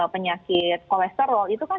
penyakit kolesterol itu kan